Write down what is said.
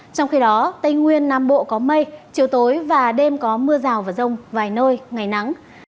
trong khi đó tây nguyên nam bộ có mây chiều tối và đêm có mưa rào và rông vài nơi ngày nắng